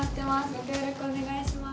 ご協力お願いします。